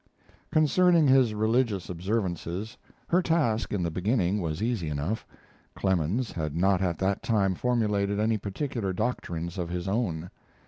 Concerning his religious observances her task in the beginning was easy enough. Clemens had not at that time formulated any particular doctrines of his own.